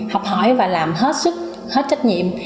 học hỏi và làm hết sức hết trách nhiệm